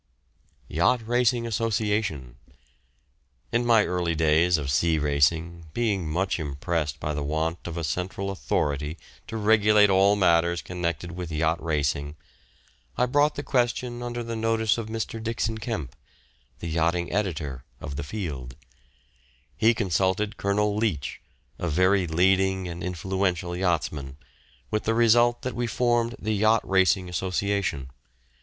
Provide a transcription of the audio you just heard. YACHT RACING ASSOCIATION. In my early days of sea racing, being much impressed by the want of a central authority to regulate all matters connected with yacht racing, I brought the question under the notice of Mr. Dixon Kemp, the yachting editor of the Field. He consulted Colonel Leach, a very leading and influential yachtsman, with the result that we formed the Yacht Racing Association.